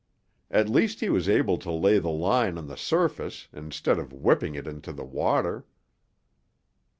At least he was able to lay the line on the surface instead of whipping it into the water.